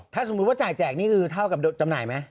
ถ้าสมมุติว่าจ่ายแจกนี่คือเท่ากับจำหน่ายไหม